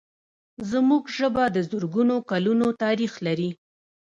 زموږ ژبه د زرګونو کلونو تاریخ لري.